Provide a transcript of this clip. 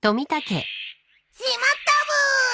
しまったブー！